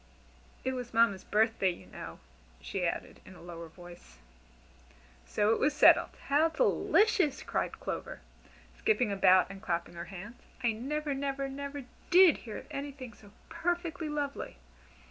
It was Mamma's birthday, you know," she added in a lower voice. So it was settled. "How delicious!" cried Clover, skipping about and clapping her hands: "I never, never, never did hear of anything so perfectly lovely.